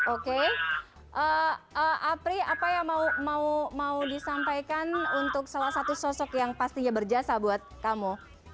oke apri apa yang mau disampaikan untuk salah satu sosok yang pastinya berjasa buat kamu